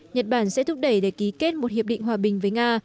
nhật bản sẽ thúc đẩy để ký kết một hiệp định hòa bình với nga